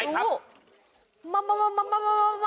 ตัวอะไรครับ